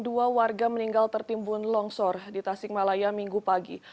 dua warga meninggal tertimbun longsor di tasikmalaya minggu pagi